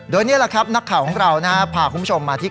โดยนี่แหละครับนักข่าวของเราพาคุณผู้ชมมาที่